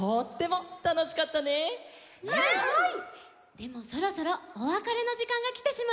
でもそろそろおわかれのじかんがきてしまいました。